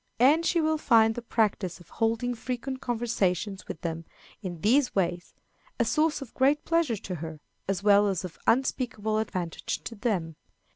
And she will find the practice of holding frequent conversations with them, in these ways, a source of great pleasure to her, as well as of unspeakable advantage to them.